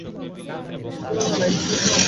আমি তোমাকে চুমু খেতে যাচ্ছি।